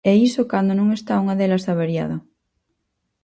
"E iso cando non está unha delas avariada".